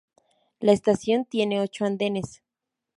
La estación tiene ocho andenes.